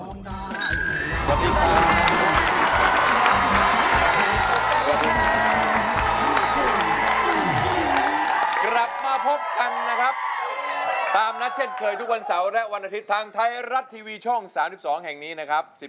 กลับมาพบกันนะครับตามนัดเช่นเคยทุกวันเสาร์และวันอาทิตย์ทางไทยรัฐทีวีช่อง๓๒แห่งนี้นะครับ